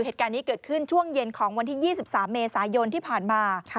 เหตุการณ์นี้เกิดขึ้นช่วงเย็นของวันที่๒๓เมษายนที่ผ่านมา